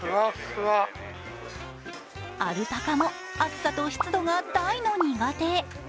アルパカも暑さと湿度が大の苦手。